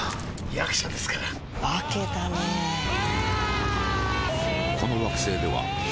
役者ですから化けたねうわーーー！